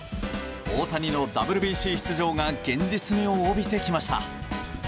大谷のＷＢＣ出場が現実味を帯びてきました。